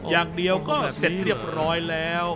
อย่างเดียวก็เสร็จเรียบร้อยแล้ว